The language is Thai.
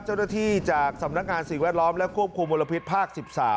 เจ้าหน้าที่จากสำนักงานสิ่งแวดล้อมและควบคุมมลพิษภาค๑๓